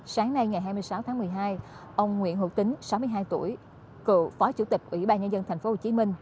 sáng nay ngày hai mươi sáu tháng một mươi hai ông nguyễn hữu tính sáu mươi hai tuổi cựu phó chủ tịch ủy ban nhân dân tp hcm